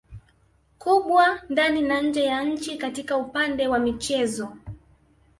kubwa ndani na nje ya nchi katika upande wa michezo